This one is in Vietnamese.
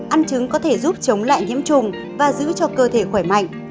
ăn trứng có thể giúp chống lại nhiễm trùng và giữ cho cơ thể khỏe mạnh